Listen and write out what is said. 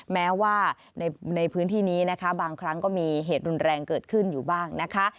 แม้ว่าในพื้นที่นี้นะคะบางครั้งก็มีเหตุรุนแรงเกิดขึ้นอยู่บ้างนะคะ